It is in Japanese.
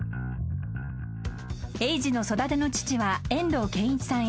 ［エイジの育ての父は遠藤憲一さん